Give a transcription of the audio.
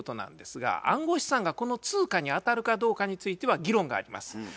暗号資産がこの通貨にあたるかどうかについては議論があります。